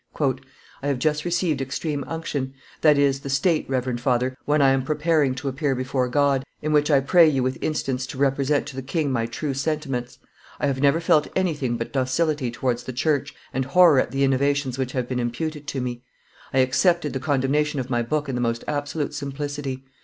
"I have just received extreme unction; that is, the state, reverend father, when I am preparing to appear before God, in which I pray you with instance to represent to the king my true sentiments. I have never felt anything but docility towards the church and horror at the innovations which have been imputed to me. I accepted the condemnation of my book in the most absolute simplicity.